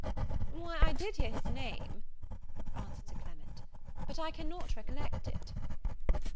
"Why I did hear his name," answered Sir Clement, "but I cannot recollect it."